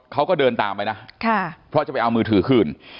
เขาก็เดินตามไปนะเพราะจะไปเอามือถือคืน